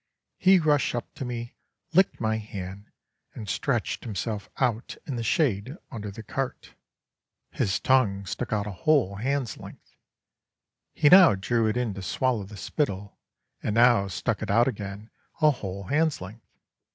He rushed up to me, licked my hand, and stretched himself out in the shade under the cart. His tongue stuck out a[Pg 52] whole hand's length. He now drew it in to swallow the spittle, and now stuck it out again a whole hand's length.